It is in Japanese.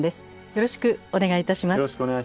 よろしくお願いします。